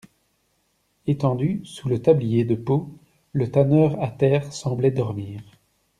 Etendu sous le tablier de peau, le tanneur à terre semblait dormir.